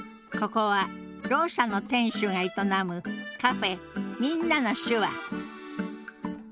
ここはろう者の店主が営むカフェ「みんなの手話」